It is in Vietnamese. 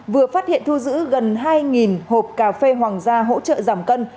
vừa phát hiện thu giữ gần hai hộp cà phê hoàng gia hỗ trợ giảm cân